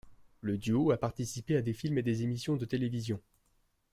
Le duo a participé à des films et des émissions de télévisions.